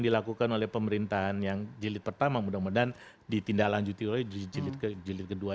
dilakukan oleh pemerintahan yang jilid pertama mudah mudahan ditindaklanjuti oleh jilid kedua